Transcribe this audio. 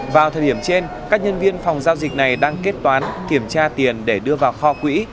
vào thời điểm trên các nhân viên phòng giao dịch này đang kết toán kiểm tra tiền để đưa vào kho quỹ